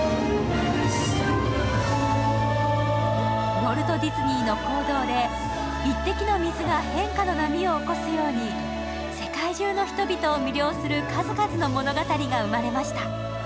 ウォルト・ディズニーの行動で１滴の水が変化の波を起こすように世界中の人々を魅了する数々の物語が生まれました。